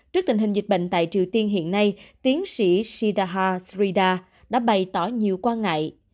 trước tình hình dịch bệnh tại triều tiên hiện nay tiến sĩ shidaha srida đã bày tỏ nhiều quan ngại